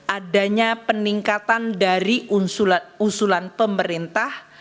adanya peningkatan dari usulan pemerintah